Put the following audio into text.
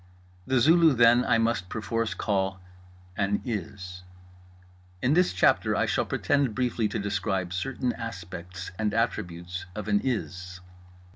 The Zulu, then, I must perforce call an IS. In this chapter I shall pretend briefly to describe certain aspects and attributes of an IS.